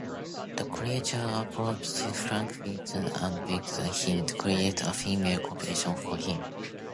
The creature approaches Frankenstein and begs him to create a female companion for him.